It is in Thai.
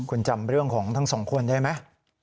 คุณจำเรื่องของทั้งสองคนได้ไหม